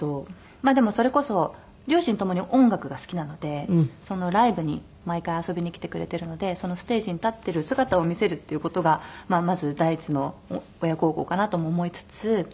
まあでもそれこそ両親ともに音楽が好きなのでライブに毎回遊びに来てくれてるのでそのステージに立ってる姿を見せるっていう事がまず第一の親孝行かなとも思いつつ。